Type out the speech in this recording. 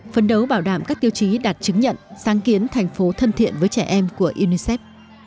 phấn đấu bảo đảm các tiêu chí đạt chứng nhận sáng kiến thành phố thân thiện với trẻ em của unicef